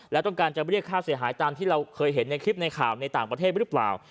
และต้องการจะเรียกค่าเสียหายตามที่เราเคยเห็นในคลิปในข่าวในต่างประเทศหรือเปล่า